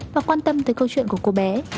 và quan tâm tới câu chuyện của cô bé